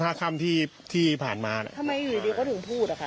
ห้าคับที่ที่ผ่านมาทำไมหยุดดีเวลาเขาถึงพูดอ่ะค่ะ